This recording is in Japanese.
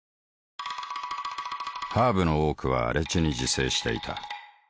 ハーブの多くは荒地に自生していた。